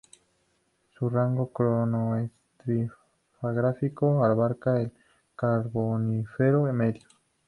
Su rango cronoestratigráfico abarca el Carbonífero medio.